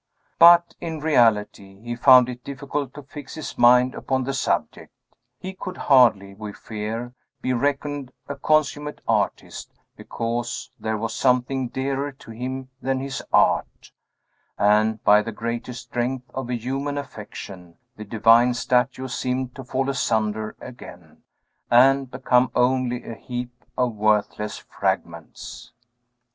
But, in reality, he found it difficult to fix his mind upon the subject. He could hardly, we fear, be reckoned a consummate artist, because there was something dearer to him than his art; and, by the greater strength of a human affection, the divine statue seemed to fall asunder again, and become only a heap of worthless fragments.